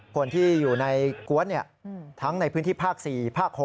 คนที่อยู่ในกวนทั้งในพื้นที่ภาค๔ภาค๖